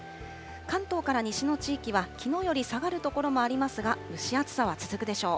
関東から西の地域はきのうより下がる所もありますが、蒸し暑さは続くでしょう。